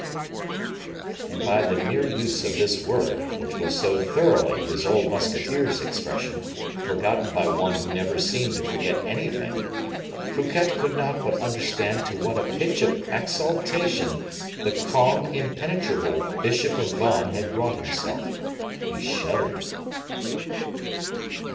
_" And by the mere use of this word, which was so thoroughly his old musketeer's expression, forgotten by one who never seemed to forget anything, Fouquet could not but understand to what a pitch of exaltation the calm, impenetrable bishop of Vannes had wrought himself. He shuddered.